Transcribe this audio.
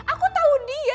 aku tau dia